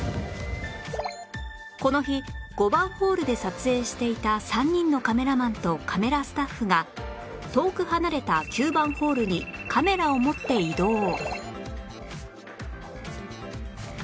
この日５番ホールで撮影していた３人のカメラマンとカメラスタッフが遠く離れた９番ホールにカメラを持って移動